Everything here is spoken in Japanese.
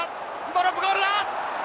ドロップゴールだ！